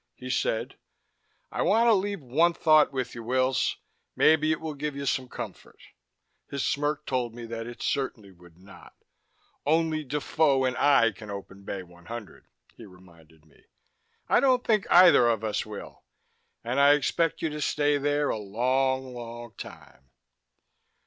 He said: "I want to leave one thought with you, Wills. Maybe it will give you some comfort." His smirk told me that it certainly would not. "Only Defoe and I can open Bay 100," he reminded me. "I don't think either of us will; and I expect you will stay there a long, long time."